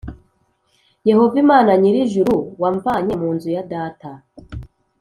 Yehova Imana nyir ijuru wamvanye mu nzu ya data